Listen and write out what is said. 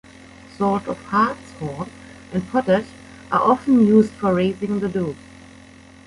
Salt of Hartshorn and potash are often used for raising the dough.